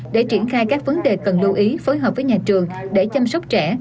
để triển khai các vấn đề cần lưu ý phối hợp với nhà trường để chăm sóc trẻ